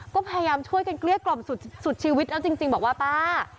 ก็พยายามช่วยกันเกลี้ยกล่อมสุดชีวิตแล้วจริงบอกว่าป้า